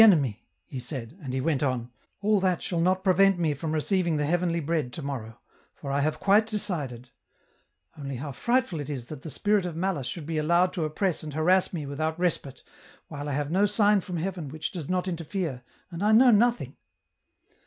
enemy," he said, and he went on :" All that shall not prevent me from receiving the Heavenly Bread to morrow, for I have quite decided ; only how frightful it is that the Spirit of Malice should be allowed to oppress and harass me without respite while I have no sign from Heaven which does not interfere, and I know nothing.